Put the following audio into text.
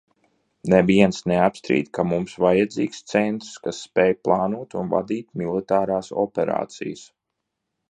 Neviens neapstrīd, ka mums vajadzīgs centrs, kas spēj plānot un vadīt militārās operācijas.